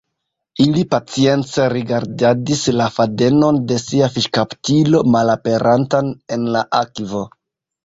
Ili pacience rigardadis la fadenon de sia fiŝkaptilo malaperantan en la akvo.